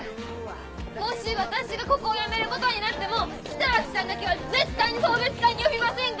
もし私がここを辞めることになっても北脇さんだけは絶対に送別会に呼びませんから！